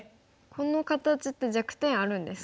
この形って弱点あるんですか？